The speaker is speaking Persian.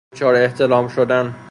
دچار احتلام شدن